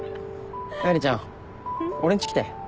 愛梨ちゃん俺んち来て。